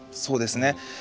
そうですね。